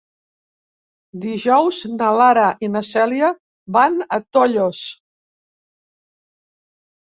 Dijous na Lara i na Cèlia van a Tollos.